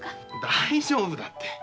大丈夫だって。